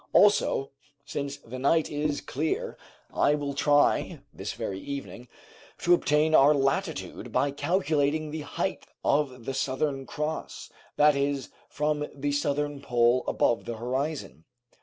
"Also, since the night is clear, I will try, this very evening, to obtain our latitude by calculating the height of the Southern Cross, that is, from the southern pole above the horizon.